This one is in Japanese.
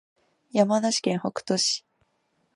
山梨県北杜市